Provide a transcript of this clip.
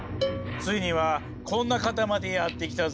ついにはこんな方までやって来たぜ。